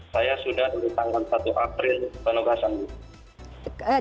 saya sudah dari tanggal satu april penugasan